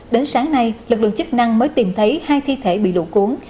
đến sáng nay lực lượng chức năng mới tìm thấy hai thi thể bị lũ cuốn